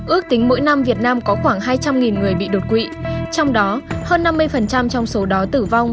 ước tính mỗi năm việt nam có khoảng hai trăm linh người bị đột quỵ trong đó hơn năm mươi trong số đó tử vong